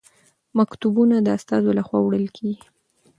مکتوبونه د استازو لخوا وړل کیږي.